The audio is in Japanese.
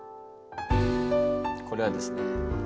これはですね